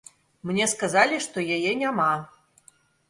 Мне сказалі, што яе няма.